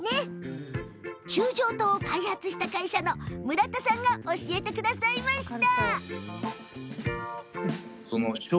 中将湯を開発した会社の村田さんが教えてくださいました。